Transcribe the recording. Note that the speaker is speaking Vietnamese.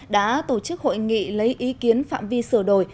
đã tổ chức hội nghị lấy ý kiến phạm vi sửa đổi